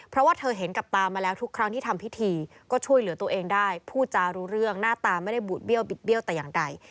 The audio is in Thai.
เพราะว่าเธอเห็นกับตามาแล้วทุกครั้งที่ทำพิธีก็ช่วยเหลือตัวเองได้พูดจารู้เรื่องหน้าตาไม่ได้บูดเบี้ยบิดเบี้ยวแต่อย่างใด